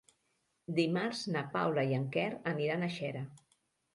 Dimarts na Paula i en Quer aniran a Xera.